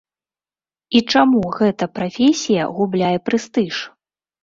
І чаму гэта прафесія губляе прэстыж?